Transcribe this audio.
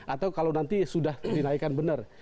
atau kalau nanti sudah dinaikkan benar